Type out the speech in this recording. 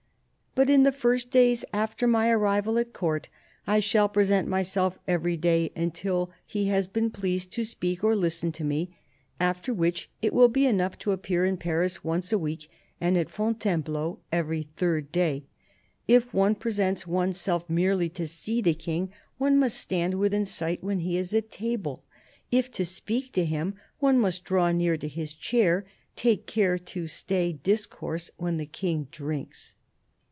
"... But in the first days after my arrival at Court, I shall present myself every day until he has been pleased to speak or to listen to me ... after which it will be enough to appear in Paris once a week and at Fontainebleau every third day. ... If one presents one's self merely to see the King, one must stand within sight when he is at table ; if to speak to him, one must draw near to his chair. Take care to stay discourse when the King drinks.